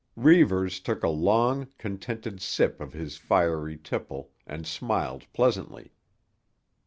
Reivers took a long, contented sip of his fiery tipple and smiled pleasantly.